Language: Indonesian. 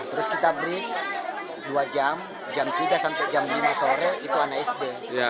terus kita bree dua jam jam tiga sampai jam lima sore itu anak sd